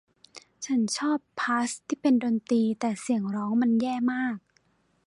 ฉันชอบพาร์ทที่เป็นดนตรีแต่เสียงร้องมันแย่มาก